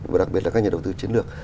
và đặc biệt là các nhà đầu tư chiến lược